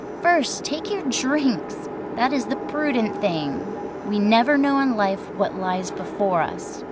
First take your drinks—that is the prudent thing, We never know in life what lies before us."